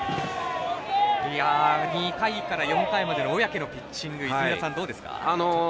２回から４回までの小宅のピッチング泉田さん、どうですか？